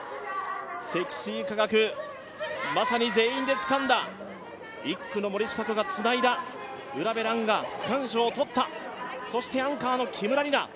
積水化学、まさに全員でつかんだ、１区の森智香子がつないだ、卜部蘭が区間賞を取った、そしてアンカーの木村梨七。